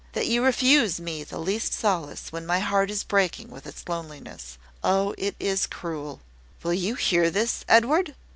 that you refuse me the least solace, when my heart is breaking with its loneliness! Oh, it is cruel!" "Will you hear this, Edward?"